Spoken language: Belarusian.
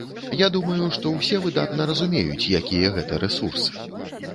Я думаю, што ўсе выдатна разумеюць, якія гэта рэсурсы.